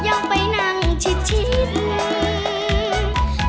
เรายังไปนั่งชิดนึง